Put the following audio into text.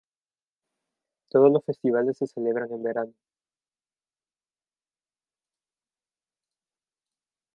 Todos los festivales se celebran en verano.